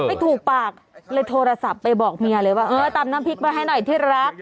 ไม่ถูกปากเลยโทรศัพท์ไปบอกเมียเลยว่าเออตำน้ำพริกมาให้หน่อยที่รัก